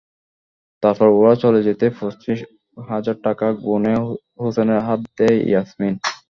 তারপর ওরা চলে যেতেই পঁচিশ হাজার টাকা গুনে হোসেনের হাতে দেয় ইয়াসমিন।